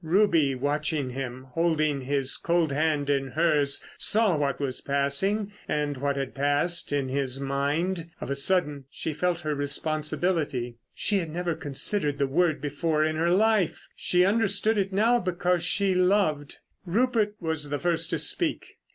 Ruby watching him, holding his cold hand in hers, saw what was passing, and what had passed, in his mind. Of a sudden she felt her responsibility. She had never considered the word before in her life. She understood it now because she loved. Rupert was the first to speak.